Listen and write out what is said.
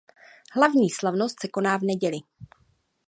Hlavní slavnost se koná v neděli.